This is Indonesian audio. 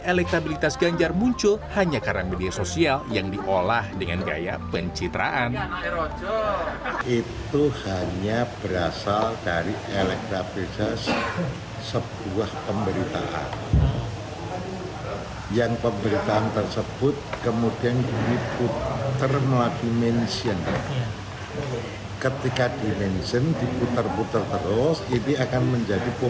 elektabilitas ganjar muncul hanya karena media sosial yang diolah dengan gaya pencitraan